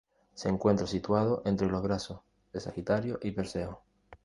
Se encuentra situado entre los brazos de Sagitario y perseo.